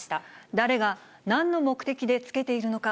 誰が、なんの目的でつけているのか。